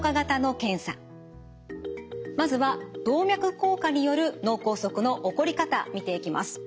まずは動脈硬化による脳梗塞の起こり方見ていきます。